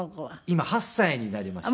今８歳になりまして。